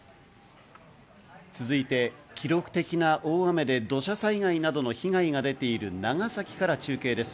続いて、記録的な大雨で土砂災害などの被害が出ている長崎県長崎市から中継です。